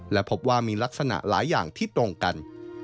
และพบว่ามีลักษณะหลายอย่างที่ตรงกัน